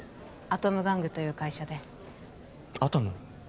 アトム玩具という会社でアトム？